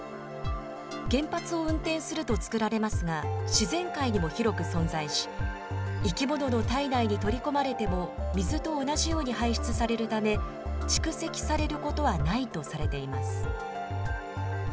原発を運転すると作られますが、自然界にも広く存在し、生き物の体内に取り込まれても、水と同じように排出されるため、蓄積されることはないとされています。